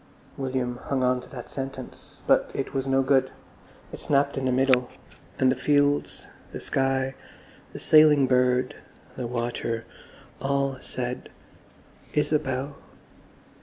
William hung on to that sentence, but it was no good; it snapped in the middle, and the fields, the sky, the sailing bird, the water, all said, "Isabel."